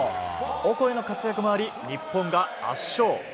オコエの活躍もあり、日本が圧勝。